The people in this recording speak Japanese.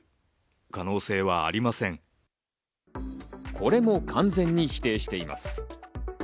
これも完全に否定しています。